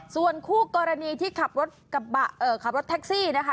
ส่วนคู่กรณีที่ขับรถแท็กซี่นะคะ